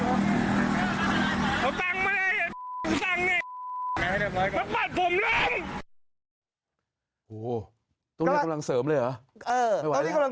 โอ้โหตรงนี้กำลังเสริมเลยเหรอ